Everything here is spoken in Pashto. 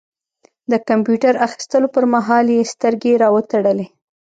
د کمپيوټر اخيستلو پر مهال يې سترګې را وتړلې.